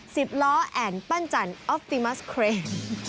สิบล้อแอ่นปั้นจันทร์ออฟติมัสเครน